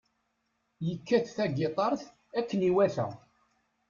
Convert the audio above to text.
Yekkat tagitaṛt akken iwata.